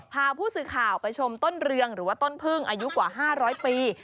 พาผู้สื่อข่าวไปชมต้นเรืองหรือว่าต้นพึ่งอายุกว่า๕๐๐ปี